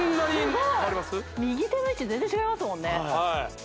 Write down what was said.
すごい右手の位置全然違いますもんね